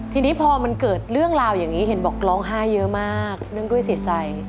ทีนี้พอมันเกิดเรื่องราวอย่างนี้เห็นบอกร้องไห้เยอะมากเรื่องด้วยเสียใจ